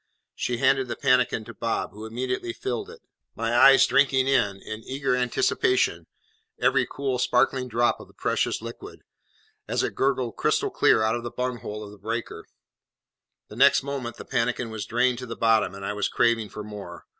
She handed the pannikin to Bob, who immediately filled it, my eyes drinking in, in eager anticipation, every cool, sparkling drop of the precious liquid, as it gurgled crystal clear out of the bung hole of the breaker; the next moment the pannikin was drained to the bottom, and I was craving for more.